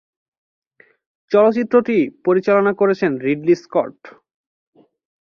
চলচ্চিত্রটি পরিচালনা করেছেন রিডলি স্কট।